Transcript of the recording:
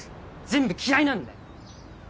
全部嫌いなんだよ！